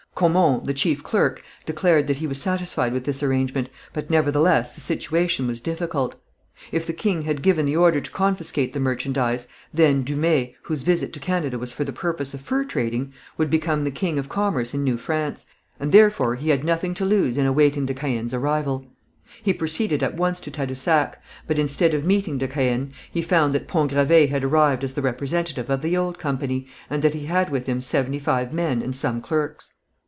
Caumont, the chief clerk, declared that he was satisfied with this arrangement, but nevertheless the situation was difficult. If the king had given the order to confiscate the merchandise, then Dumay, whose visit to Canada was for the purpose of fur trading, would become the king of commerce in New France, and therefore he had nothing to lose in awaiting de Caën's arrival. He proceeded at once to Tadousac, but instead of meeting de Caën, he found that Pont Gravé had arrived as the representative of the old company, and that he had with him seventy five men and some clerks.